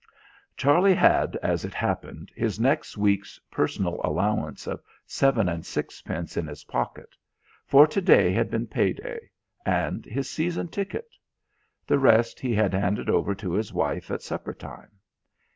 Charlie had, as it happened, his next week's personal allowance of seven and sixpence in his pocket for to day had been pay day; and his season ticket. The rest he had handed over to his wife at supper time.